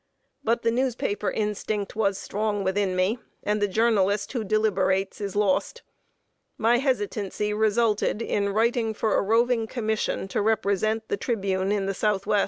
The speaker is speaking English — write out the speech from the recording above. But the newspaper instinct was strong within me, and the journalist who deliberates is lost. My hesitancy resulted in writing for a roving commission to represent THE TRIBUNE in the Southwest.